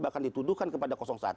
bahkan dituduhkan kepada satu